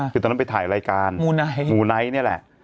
คือตอนนั้นไปถ่ายรายการหมู่ไนท์นี่แหละ